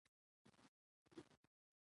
پېیر کوري د وسایلو پاکوالي یقیني کړ.